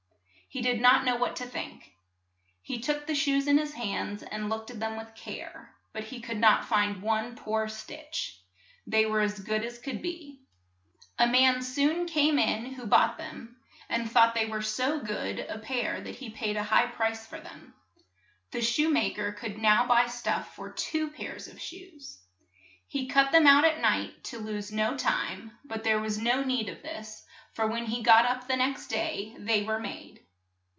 He did not know what to think. He took the shoes in his hands, and looked at them with care, but he could not find one poor stitch ; they were as good as could be. A man soon came in who bought them, and thought they were so good a pair that he paid a high price for them. The shoe ma ker could now buy stuff for two pairs of shoes. He cut them out at night to lose no time, but there was no need TALES ABOUT ELVES 21 of this, for when he got up the next day they were made.